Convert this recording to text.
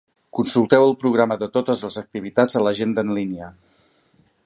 Consulteu el programa de totes les activitats a l'agenda en línia.